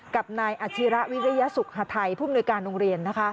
กับนายอาชิระวิริยสุขฮาไทยผู้มนุยการโรงเรียน